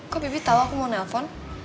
kok bibit tau aku mau nelpon